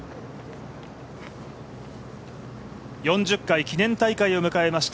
４０回記念大会を迎えました